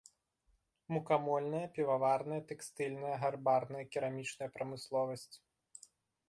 Мукамольная, піваварная, тэкстыльная, гарбарная, керамічная прамысловасць.